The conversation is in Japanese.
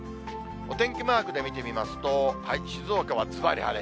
お天気マークで見てみますと、静岡はずばり晴れ。